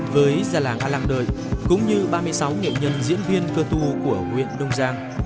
với gia làng a lam đời cũng như ba mươi sáu nghệ nhân diễn viên cơ tu của huyện đông giang